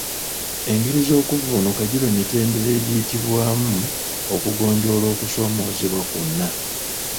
Engeri z'okuvvuunuka giba mitendera egiyitibwamu okugonjoola okusoomoozebwa kwonna.